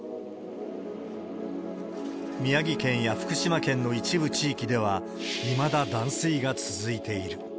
宮城県や福島県の一部地域では、いまだ断水が続いている。